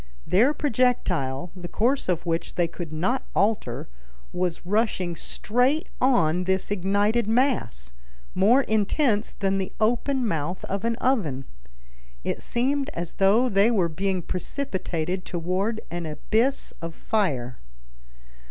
Their projectile, the course of which they could not alter, was rushing straight on this ignited mass, more intense than the open mouth of an oven. It seemed as though they were being precipitated toward an abyss of fire.